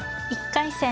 １回戦